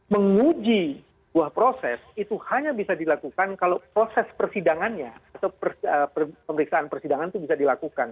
menguji buah proses itu hanya bisa dilakukan kalau proses persidangannya atau pemeriksaan persidangan itu bisa dilakukan